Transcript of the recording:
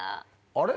あれ？